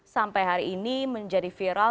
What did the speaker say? sampai hari ini menjadi viral